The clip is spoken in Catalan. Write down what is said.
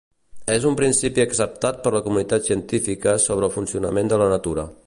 És un principi acceptat per la comunitat científica sobre el funcionament de la natura.